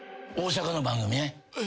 大阪の番組ね。